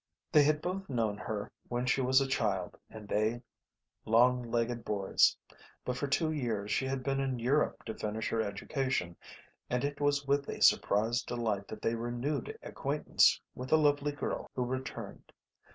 They had both known her when she was a child and they long legged boys, but for two years she had been in Europe to finish her education and it was with a surprised delight that they renewed acquaintance with the lovely girl who returned.